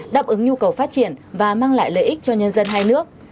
đáp ứng nhu cầu phát triển và mang lại lợi ích cho nhân dân hai nước